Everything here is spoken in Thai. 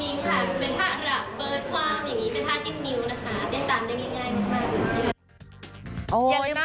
เป็นท่าระเปิดความอย่างนี้